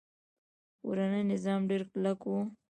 کورنۍ نظام ډیر کلک و